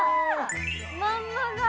まんまだ！